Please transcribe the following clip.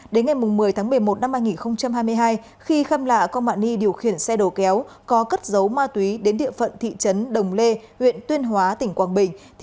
đến ngày một mươi tháng một mươi một năm hai nghìn hai mươi hai khi khâm lạ công bạn ni điều khiển xe đồ kéo có cất dấu ma túy đến địa phận thị trấn đồng lê huyện tuyên hóa tỉnh quảng bình